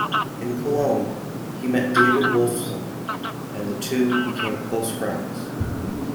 In Cologne he met David Wolffsohn and the two became close friends.